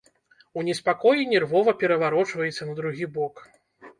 У неспакоі нервова пераварочваецца на другі бок.